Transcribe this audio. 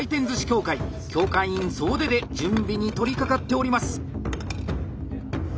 協会員総出で準備に取りかかっております。